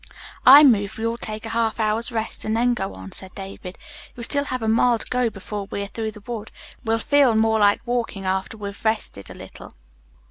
"I move we all take a half hour's rest and then go on," said David. "We still have a mile to go before we are through the wood. We'll feel more like walking after we've rested a little."